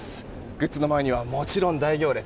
グッズの前にはもちろん大行列。